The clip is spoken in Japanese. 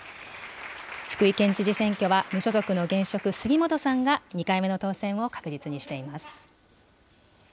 福井県知事選挙は無所属の現職、杉本さんが２回目の当選を確実にしています。